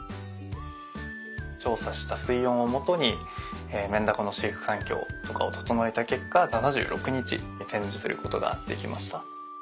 調査した水温をもとにメンダコの飼育環境とかを整えた結果７６日展示することができました。